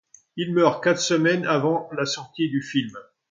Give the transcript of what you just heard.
Il meurt quatre semaines avant la sortie du film.